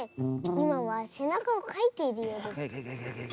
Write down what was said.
いまはせなかをかいているようです。